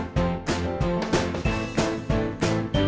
มีความสุขในที่ที่เราอยู่ในช่องนี้ก็คือความสุขในที่เราอยู่ในช่องนี้